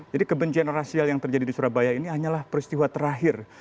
jadi kebencian rasial yang terjadi di surabaya ini hanyalah peristiwa terakhir